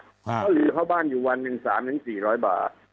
ก็หรือเข้าบ้านอยู่วัน๑๓๔๐๐บาท